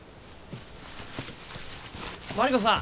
マリコさん